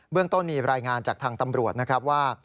เรื่องต้นมีรายงานจากทางตำรวจนะครับว่า